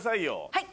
はい。